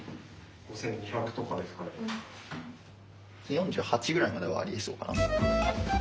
４８ぐらいまではありえそうかな？